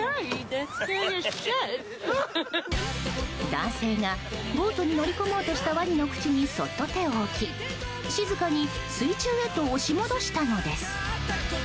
男性が、ボートに乗り込もうとしたワニの口にそっと手を置き、静かに水中へと押し戻したのです。